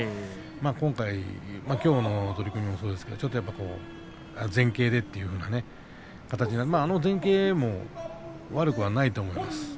今回、きょうの取組もそうですけれど前傾でというような形であの前傾も悪くはないと思うんです。